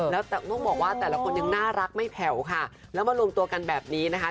แล้วต้องบอกว่าแต่ละคนยังน่ารักไม่แผ่วค่ะแล้วมารวมตัวกันแบบนี้นะคะ